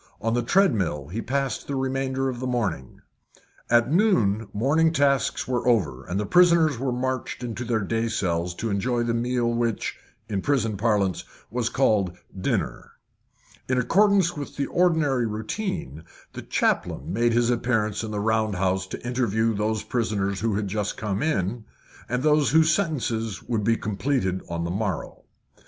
On the treadmill he passed the remainder of the morning. At noon morning tasks were over, and the prisoners were marched into their day cells to enjoy the meal which, in prison parlance, was called dinner. In accordance with the ordinary routine, the chaplain made his appearance in the round house to interview those prisoners who had just come in, and those whose sentences would be completed on the morrow.